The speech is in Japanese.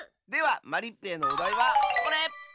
ではまりっぺへのおだいはこれ！